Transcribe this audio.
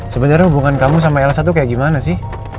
sebenarnya hubungan kamu sama elsa tuh kayak gimana sih